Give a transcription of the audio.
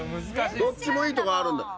どっちもいいとこあるんだよ。